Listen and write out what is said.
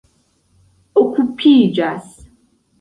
okupiĝas